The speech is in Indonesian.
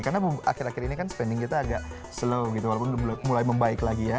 karena akhir akhir ini kan spending kita agak slow walaupun mulai membaik lagi ya